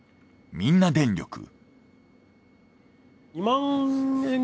みんな電力。